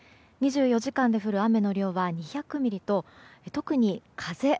２４時間で降る雨の量は２００ミリと特に風。